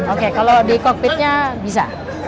oke kalau di kokpitnya bisa